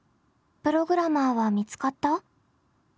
プログラマーは見つかった？